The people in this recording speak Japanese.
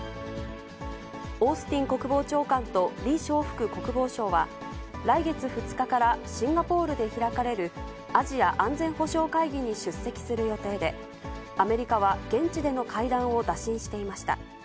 オースティン国防長官と李尚福国防相は、来月２日からシンガポールで開かれるアジア安全保障会議に出席する予定で、アメリカは現地での会談を打診していました。